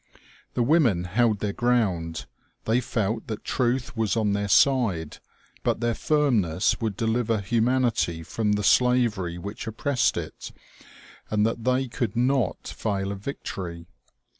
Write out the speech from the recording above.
The women held their ground ; they felt that truth was 011 their side, but their firmness would deliver humanity from the slavery which oppressed it, and that they could not fail of victory.